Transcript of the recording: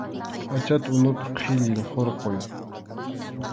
Pʼachata unupi qhillin hurquy.